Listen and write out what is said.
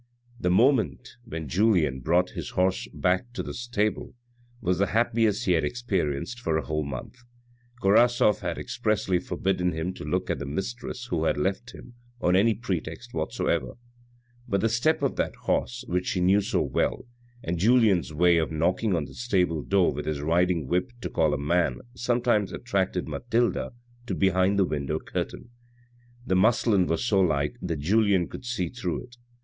The moment when Julien brought his horse back to the stable was the happiest he had experienced for a whole month. Korasoff had expressly forbidden him to look at the mistress who had left him, on any pretext whatsoever. But the step of that horse, which she knew so well, and Julien's way of knocking on the stable door with his riding whip to call a man, sometimes attracted Mathilde to behind the window curtain. The muslin was so light that Julien could see through it.